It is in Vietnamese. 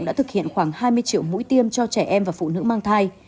đã thực hiện khoảng hai mươi triệu mũi tiêm cho trẻ em và phụ nữ mang thai